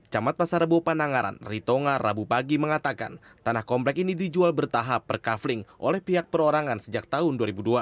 camat pasar rebo panangaran ritonga rabu pagi mengatakan tanah komplek ini dijual bertahap per kafling oleh pihak perorangan sejak tahun dua ribu dua belas